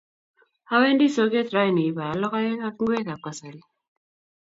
Awendi soget raini ipaal logoek ak ingwek ap kasari